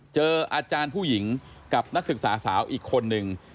อาจารย์ผู้หญิงกับนักศึกษาสาวอีกคนนึง